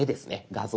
画像